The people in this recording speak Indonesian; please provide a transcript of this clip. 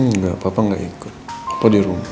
nggak papa gak ikut papa di rumah